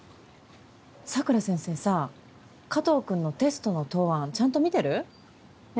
佐倉先生さ加藤君のテストの答案ちゃんと見てる？え？